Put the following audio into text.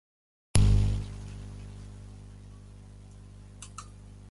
Martín-Durán "et al.